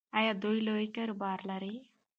ایا دوی لوی کاروبار لري؟